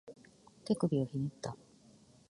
手首をひねった